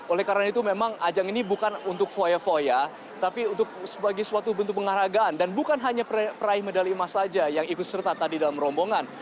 oleh karena itu memang ajang ini bukan untuk foya foya tapi sebagai suatu bentuk penghargaan dan bukan hanya peraih medali emas saja yang ikut serta tadi dalam rombongan